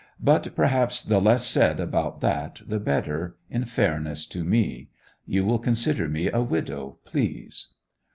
'But perhaps the less said about that the better, in fairness to me. You will consider me a widow, please.